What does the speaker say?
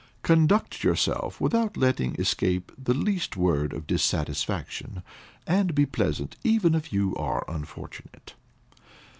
Conduct yourself without letting escape the least word of dissatisfaction, and be pleasant even if you are unfortunate.